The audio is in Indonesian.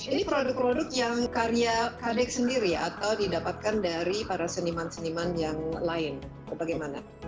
ini produk produk yang karya kadek sendiri atau didapatkan dari para seniman seniman yang lain bagaimana